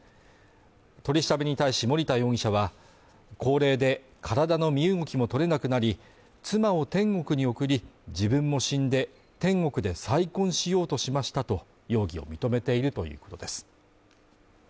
取り調べに対し森田容疑者は、高齢で体の身動きも取れなくなり妻を天国に送り、自分も死んで天国で再婚しようとしましたと容疑を認めているということです。